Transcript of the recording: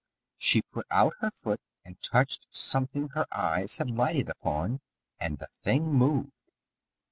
She put out her foot and touched something her eyes had lighted upon, and the thing moved.